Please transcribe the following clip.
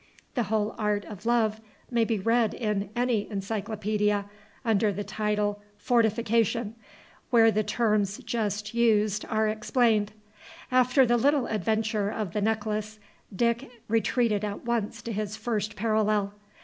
The whole art of love may be read in any Encyclopaedia under the title Fortification, where the terms just used are explained. After the little adventure of the necklace, Dick retreated at once to his first parallel.